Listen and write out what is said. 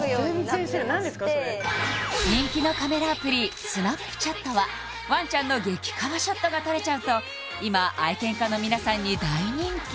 それ人気のカメラアプリＳｎａｐｃｈａｔはワンちゃんの激カワショットが撮れちゃうと今愛犬家の皆さんに大人気！